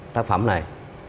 tác phẩm này